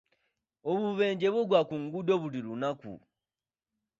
Obubenje bugwa ku nguudo buli lunaku.